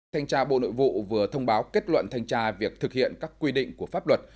thanh tra bộ nội vụ vừa thông báo kết luận thanh tra việc thực hiện các quy định của pháp luật